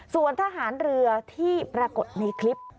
ส่วนทหารเรือที่ปรากฏในคลิป